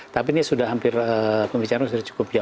tapi ini sudah hampir pembicaraan sudah cukup ya